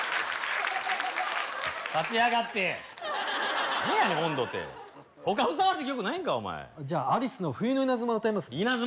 立ち上がって何やねん音頭って他ふさわしい曲ないんかお前じゃアリスの「冬の稲妻」